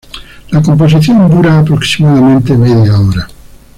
La composición dura aproximadamente media hora.